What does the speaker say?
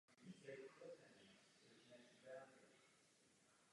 K. stala součástí názvu orchestru.